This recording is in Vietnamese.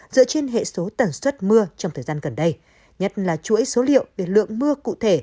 dựa trên hệ số tần suất mưa trong thời gian gần đây nhất là chuỗi số liệu về lượng mưa cụ thể